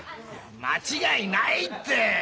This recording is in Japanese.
間違いないって！